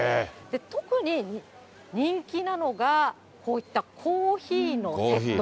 特に人気なのが、こういったコーヒーのセット。